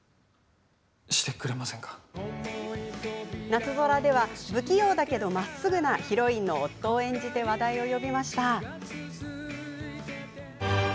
「なつぞら」では不器用だけどまっすぐなヒロインの夫を演じ話題を呼びました。